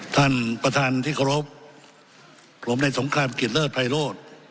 ท่านประธานที่เคารพผมในสงครามกิจเลิศภัยโรธ